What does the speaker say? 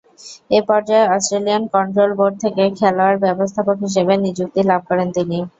এ পর্যায়ে Australian control board থেকে খেলোয়াড়-ব্যবস্থাপক হিসেবে নিযুক্তি লাভ করেন তিনি।